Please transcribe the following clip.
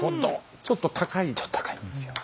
ちょっと高いんですよ。